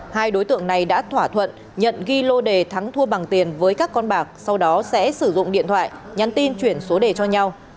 hai đối tượng này đã thỏa thuận nhận ghi lô đề thắng thua bằng tiền với các con bạc sau đó sẽ sử dụng điện thoại nhắn tin chuyển số đề cho nhau